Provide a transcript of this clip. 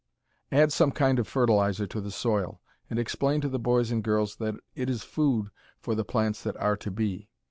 Add some kind of fertilizer to the soil, and explain to the boys and girls that it is food for the plants that are to be.